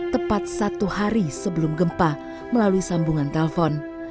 tepat satu hari sebelum gempa melalui sambungan telpon